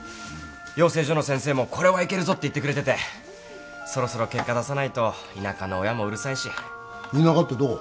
養成所の先生も「これはいけるぞ」って言ってくれててそろそろ結果出さないと田舎の親もうるさいし田舎ってどこ？